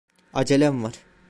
Acelem var.